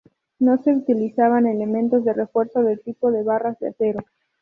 No se utilizaban elementos de refuerzo del tipo de barras de acero.